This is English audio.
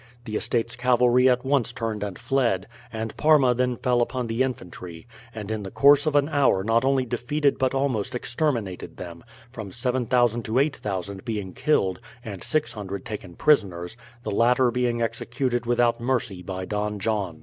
The Estates cavalry at once turned and fled, and Parma then fell upon the infantry, and in the course of an hour not only defeated but almost exterminated them, from 7000 to 8000 being killed, and 600 taken prisoners, the latter being executed without mercy by Don John.